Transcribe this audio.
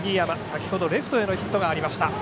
先ほどレフトへのヒットがありました。